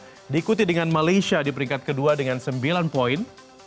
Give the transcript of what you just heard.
dan diikuti dengan malaysia di peringkat kedua dengan sembilan poin